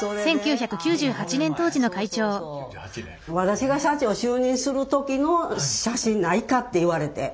私が社長就任する時の写真ないかって言われて。